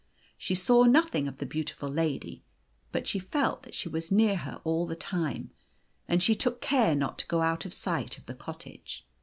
She saw nothing of the beautiful lady, but she felt that she was near her all the time ; and she took care not to go out of sight of the cottage.